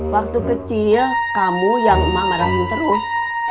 waktu kecil kamu yang emak marahin terus